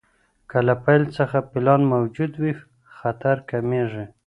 که له پیل څخه پلان موجود وي، خطر کمېږي.